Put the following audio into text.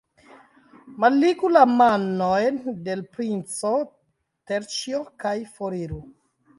Malligu la manojn de l' princo, Terĉjo, kaj foriru!